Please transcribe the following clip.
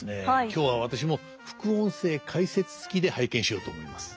今日は私も副音声解説付きで拝見しようと思います。